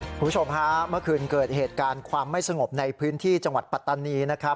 คุณผู้ชมฮะเมื่อคืนเกิดเหตุการณ์ความไม่สงบในพื้นที่จังหวัดปัตตานีนะครับ